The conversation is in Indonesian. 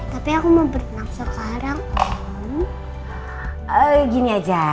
tapi aku mau berkenap sekarang om